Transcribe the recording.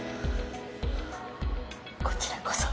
こちらこそ。